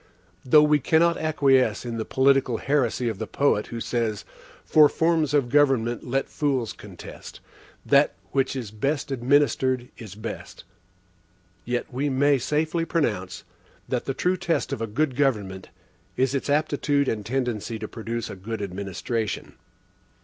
Though we cannot acquiesce in the political heresy of the poet who says: "For forms of government let fools contest That which is best administered is best," yet we may safely pronounce, that the true test of a good government is its aptitude and tendency to produce a good administration.